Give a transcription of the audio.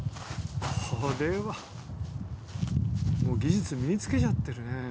もう技術身に付けちゃってるね。